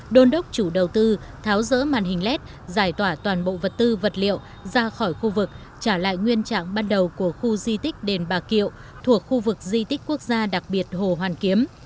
đôn đốc chủ đầu tư tháo rỡ màn hình led giải tỏa toàn bộ vật tư vật liệu ra khỏi khu vực trả lại nguyên trạng ban đầu của khu di tích đền bà kiệu thuộc khu vực di tích quốc gia đặc biệt hồ hoàn kiếm